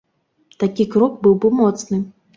Такі крок быў бы моцны.